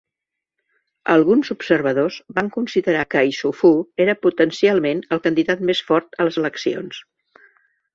Alguns observadors van considerar que Issoufou era potencialment el candidat més fort a les eleccions.